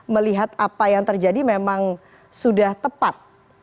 melihat apa yang terjadi memang sudah tepat